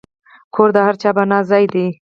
کور د هر چا پناه ځای دی.